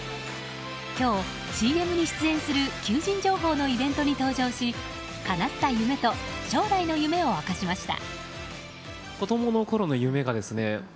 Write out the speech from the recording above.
今日、ＣＭに出演する求人情報のイベントに登場しかなった夢と将来の夢を明かしました。